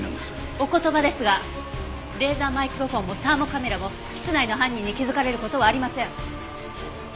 お言葉ですがレーザーマイクロフォンもサーモカメラも室内の犯人に気づかれる事はありません。